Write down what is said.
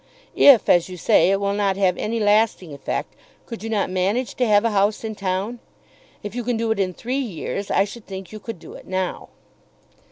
If as you say it will not have any lasting effect, could you not manage to have a house in town? If you can do it in three years, I should think you could do it now.